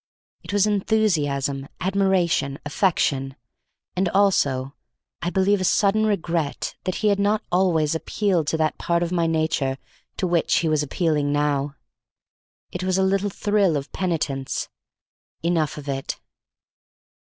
It was enthusiasm, admiration, affection, and also, I believe, a sudden regret that he had not always appealed to that part of my nature to which he was appealing now. It was a little thrill of penitence. Enough of it.